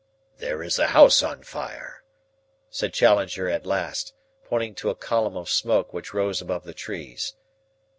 "There is a house on fire," said Challenger at last, pointing to a column of smoke which rose above the trees.